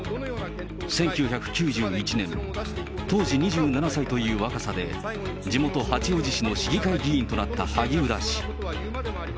１９９１年、当時２７歳という若さで、地元、八王子市の市議会議員となった萩生田氏。